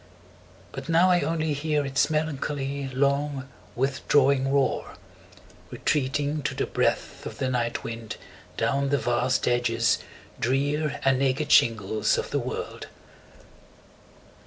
But now I only hear Its melancholy, long, withdrawing roar, 25 Retreating, to the breath Of the night wind, down the vast edges drear And naked shingles of the world.